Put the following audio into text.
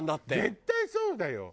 絶対そうだよ。